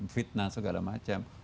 fitnah segala macam